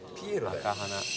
赤鼻。